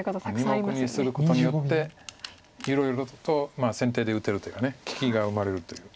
２目にすることによっていろいろと先手で打てるというか利きが生まれるという。